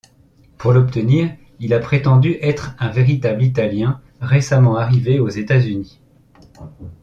Pour l’obtenir, il a prétendu être un véritable Italien récemment arrivé aux États-Unis.